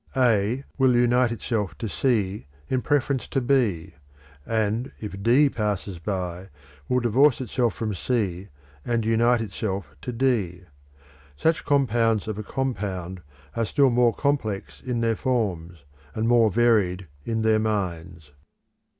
A will unite itself to C in preference to B; and if D passes by, will divorce itself from C, and unite itself to D. Such compounds of a compound are still more complex in their forms, and more varied in their minds.